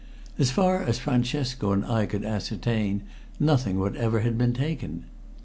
As far as Francesco and I could ascertain, nothing whatever had been taken.